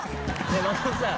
松本さん。